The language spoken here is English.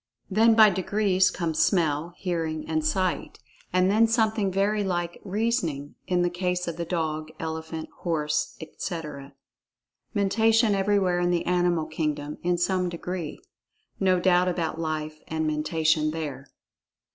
Then by degrees come smell, hearing and sight. And then something very like "reasoning" in the case of the dog, elephant, horse, etc. Mentation everywhere in the animal kingdom, in some degree. No doubt about Life and Mentation, there.